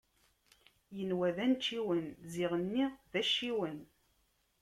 Inwa d anciwen, ziɣenni d acciwen.